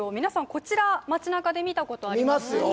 こちら街なかで見たことありますよね